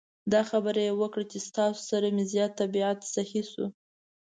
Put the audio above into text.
دا خبره یې هم وکړه چې ستاسو سره مې زیات طبعیت سهی شو.